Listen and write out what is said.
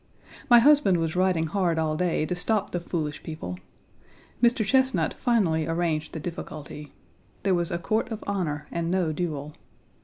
My husband was riding hard all day to stop the foolish people. Mr. Chesnut finally arranged the difficulty. There was a court of honor and no duel.